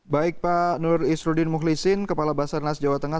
baik pak nur isruddin muhlisin kepala basarnas jawa tengah